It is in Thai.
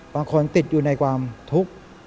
บางคนติดอยู่ในความทุกข์